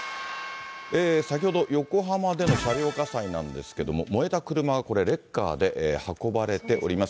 先ほど、横浜での車両火災なんですけども、燃えた車がこれ、レッカーで運ばれております。